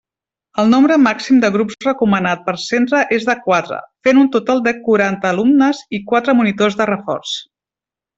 El nombre màxim de grups recomanat per centre és de quatre, fent un total de quaranta alumnes i quatre monitors de reforç.